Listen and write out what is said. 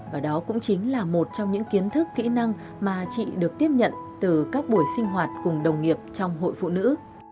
và đó cũng chính là một trong những kiến thức kỹ năng mà chị được tiếp nhận từ các buổi sinh hoạt cùng đồng nghiệp trong hội phụ nữ